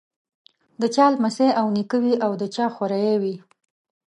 د چا لمسی او نیکه وي او د چا خوريی وي.